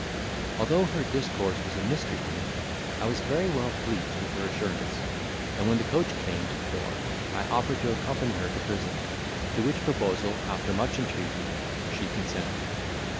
Although her discourse was a mystery to me, I was very well pleased with her assurance; and when the coach came to the door, I offered to accompany her to prison, to which proposal, after much entreaty, she consented.